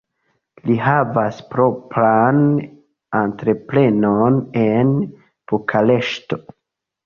Li havas propran entreprenon en Bukareŝto.